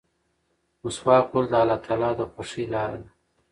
مسواک وهل د الله تعالی د خوښۍ لاره ده.